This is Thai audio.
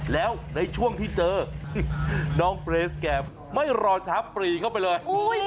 แล้วในช่วงที่เจอเห็นแม็กซ์แกไม่รอช้าปรีเข้าไปเลย